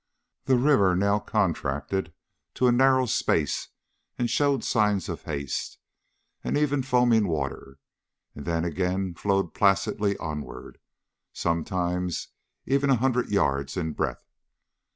The river now contracted to a narrow space and showed signs of haste, and even foaming water, and then again flowed placidly onward, sometimes even a hundred yards in breadth.